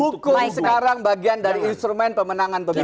hukum sekarang bagian dari instrumen pemenangan pemilu